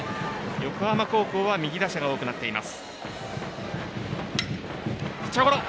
横浜高校は右打者が多くなっています。